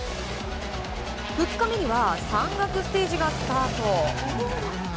２日目には山岳ステージがスタート！